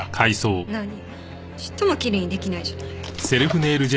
何よちっともきれいに出来ないじゃない。